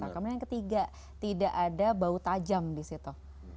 kemudian yang ketiga tidak ada bau tajam di situ